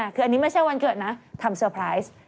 คืออันนี้ไม่ใช่วันเกิดนะทำเซอร์ไพรส์